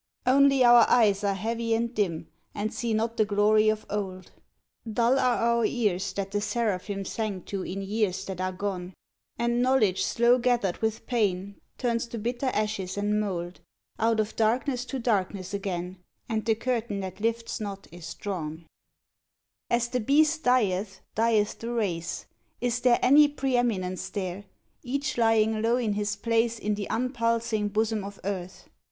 Only our eyes are heavy and dim, and see not the glory of old, Dull are our ears that the seraphim sang to in years that are gone, And knowledge slow gathered with pain turns to bitter ashes and mould :— Out of darkness to darkness again, and the cur tain that lifts not is drawn. As the beast dieth, dieth the race, — is there any pre eminence there — Each lying low in his place in the impulsing bosom of earth